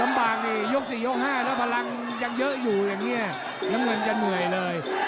บางยก๔ยก๕แล้วพลังยังเยอะอยู่อย่างนี้น้ำเงินจะเหนื่อยเลย